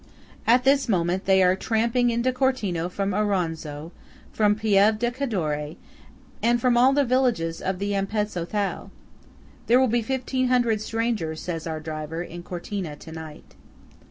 At this moment they are tramping into Cortina from Auronzo, from Pieve di Cadore, and from all the villages of the Ampezzo Thal. There will be fifteen hundred strangers, says our driver, in Cortina to night.